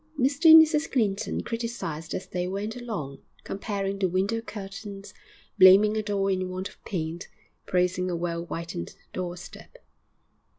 Mr and Mrs Clinton criticised as they went along, comparing the window curtains, blaming a door in want of paint, praising a well whitened doorstep....